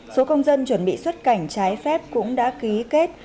số công dân chuẩn bị xuất cảnh trái phép cũng đã ký kết